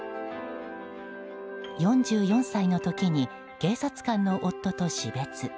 ４４歳の時に警察官の夫と死別。